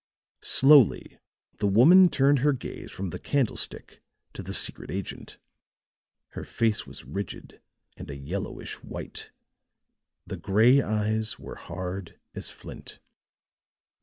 Slowly the woman turned her gaze from the candlestick to the secret agent; her face was rigid and a yellowish white; the gray eyes were hard as flint.